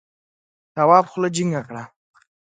تواب خوله جینگه کړه.